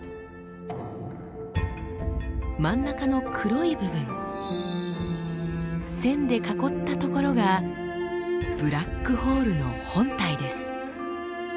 真ん中の黒い部分線で囲った所がブラックホールの本体です。